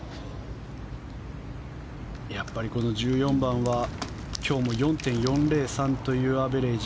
やっぱり、この１４番は今日も４．４０３というアベレージ。